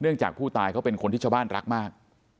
จากผู้ตายเขาเป็นคนที่ชาวบ้านรักมาก